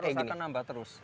nambah terus akan nambah terus